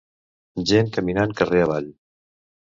Gent caminant carrer avall.